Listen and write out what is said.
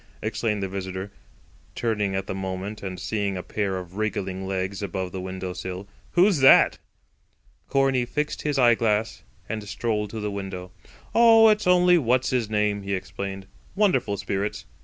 exclaimed the visitor, turning at the moment and seeing a pair of wriggling legs above the window sill; "who's that?" Corney fixed his eyeglass and strolled to the window. "Oh, it's only What's his name," he explained. "Wonderful spirits.